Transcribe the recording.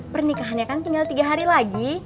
pernikahannya kan tinggal tiga hari lagi